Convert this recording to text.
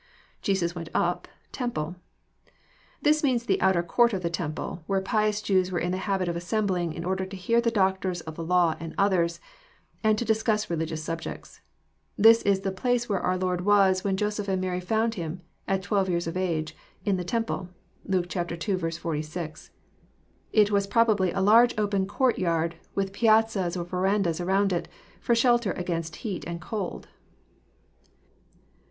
[Je8U8 went up. ..temple.'] This means the onter conrt of the temple, where pious Jews were in the habit of assembling in order to hear the doctors of the law and others, and to discuss religious subjects. This is the place where our Lord was, when Joseph and Mary found Him, at twelve years of age, in the temple." (Luke ii. 46.) It was probably a large open conrt yard, with piazzas or verandas around it, for shelter against heat and cold.